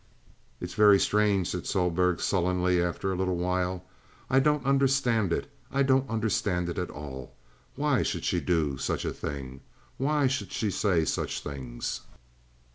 "It's very strange," said Sohlberg, sullenly, after a little while. "I daunt onderstand it! I daunt onderstand it at all. Why should she do soach a thing? Why should she say soach things?